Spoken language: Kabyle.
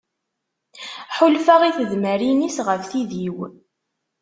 Ḥulfaɣ i tedmarin-is ɣef tid-iw.